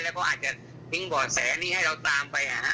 แล้วก็อาจจะทิ้งบ่อแสนี้ให้เราตามไป